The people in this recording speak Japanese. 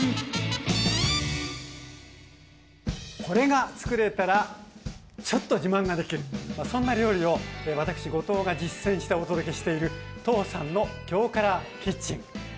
これがつくれたらちょっと自慢ができるそんな料理を私後藤が実践してお届けしている「父さんのきょうからキッチン」。